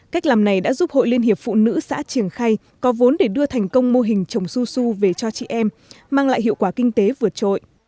cách làm này đã giúp hội liên hiệp phụ nữ xã triềng khay có vốn để đưa thành công mô hình trồng su su về cho chị em mang lại hiệu quả kinh tế vượt trội